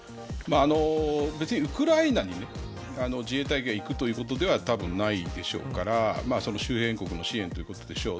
別にウクライナに自衛隊機が行く、ということではたぶんないでしょうから周辺国の支援ということでしょう。